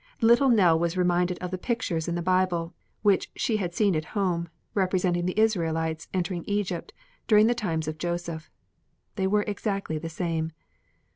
Little Nell was reminded of the pictures in the Bible, which she had seen at home, representing the Israelites entering Egypt during the times of Joseph. They were exactly the same.